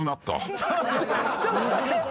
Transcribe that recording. ちょっと待って！